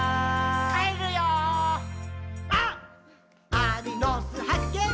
アリの巣はっけん